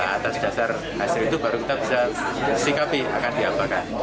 atas dasar hasil itu baru kita bisa sikapi akan diapakan